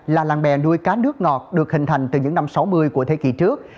là làng bè nuôi cá nước ngọt được hình thành từ những năm sáu mươi của thế kỷ trước